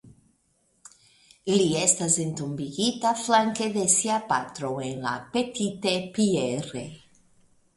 Li estas entombigita flanke de sia patro en La Petite Pierre.